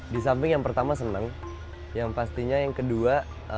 di samping yang pertama senang yang pastinya yang kedua